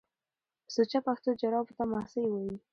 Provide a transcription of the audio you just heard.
په سوچه پښتو جرابو ته ماسۍ وايي